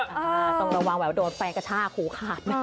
ต้องระวังว่าโดนแฟนกระชากหูขาด